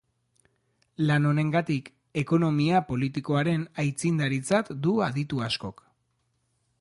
Lan honengatik ekonomia politikoaren aitzindaritzat du aditu askok.